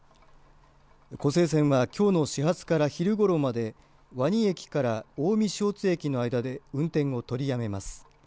湖西線はきょうの始発から昼ごろまで和邇駅から近江塩津駅の間で運転を取りやめます。